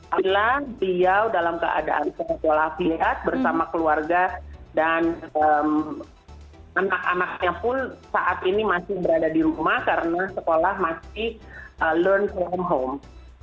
bila dia dalam keadaan sekolah pihak bersama keluarga dan anak anaknya pun saat ini masih berada di rumah karena sekolah masih learn from home